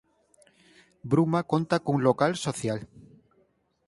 Bruma conta cun local social.